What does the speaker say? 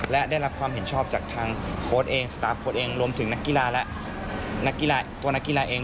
และได้รับความเห็นชอบจากทางโค้ชเองสตาปโค้ชเองรวมถึงนักกีฬาเอง